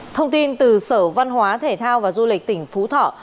thông tin từ sở văn hóa thể thao và du lịch tỉnh phú thọ